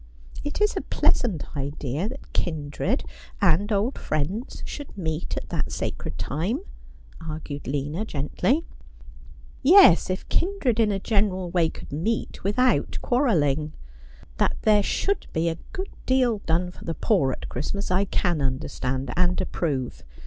'It is a pleasant idea that kindred and old friends should meet at that sacred time,' argued Lina gently. ' Yes, if kindred in a general way could meet without quarrel ling. That there should be a good deal done for the poor at Christmas I can understand and approve.